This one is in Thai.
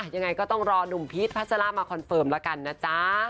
ยังไงก็ต้องรอหนุ่มพีชพัชรามาคอนเฟิร์มแล้วกันนะจ๊ะ